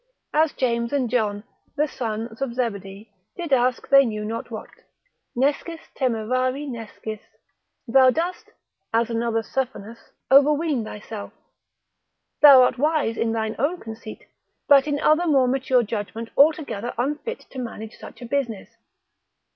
as James and John, the sons of Zebedee, did ask they knew not what: nescis temerarie nescis; thou dost, as another Suffenus, overween thyself; thou art wise in thine own conceit, but in other more mature judgment altogether unfit to manage such a business.